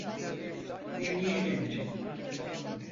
Emniyet kemeri.